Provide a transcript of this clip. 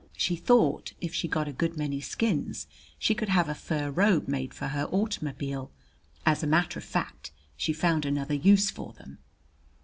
She thought if she got a good many skins she could have a fur robe made for her automobile. As a matter of fact she found another use for them.